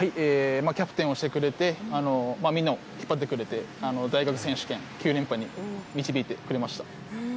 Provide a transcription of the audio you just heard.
キャプテンをしてくれてみんなを引っ張ってくれて、大学選手権９連覇に導いてくれました。